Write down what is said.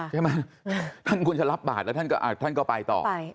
ใช่ไหมท่านควรจะรับบาทแล้วท่านก็ไปต่อไป